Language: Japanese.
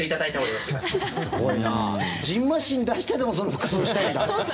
じんましん出してでもその服装したいんだ。